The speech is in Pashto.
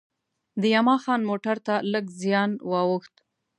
د یما خان موټر ته لږ زیان وا ووښت.